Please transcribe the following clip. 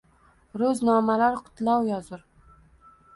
Ro’znomalar qutlov yozur.